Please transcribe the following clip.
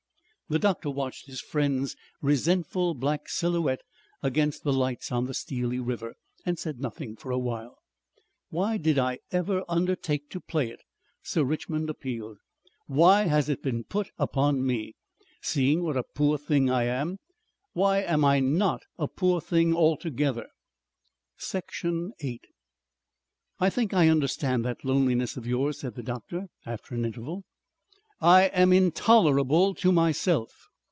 The doctor watched his friend's resentful black silhouette against the lights on the steely river, and said nothing for awhile. "Why did I ever undertake to play it?" Sir Richmond appealed. "Why has it been put upon me? Seeing what a poor thing I am, why am I not a poor thing altogether?" Section 8 "I think I understand that loneliness of yours, said the doctor after an interval. "I am INTOLERABLE to myself."